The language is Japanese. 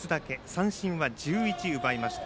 三振は１１奪いました。